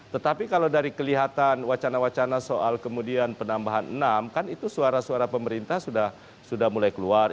tetapi kalau dari kelihatan wacana wacana soal kemudian penambahan enam kan itu suara suara pemerintah sudah mulai keluar